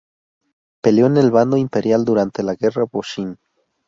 Peleó en el bando imperial durante la Guerra Boshin.